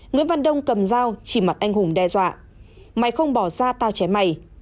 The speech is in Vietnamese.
người văn đông cầm dao chỉ mặt anh hùng đe dọa mày không bỏ ra tao chém mày